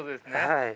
はい。